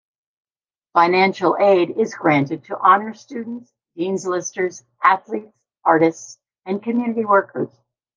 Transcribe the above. Financial aid is granted to honor students, dean's listers, athletes, artists, and community workers.